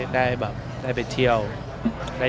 ได้เป็นเที่ยวได้นอน